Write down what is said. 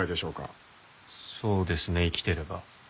そうですね生きてれば。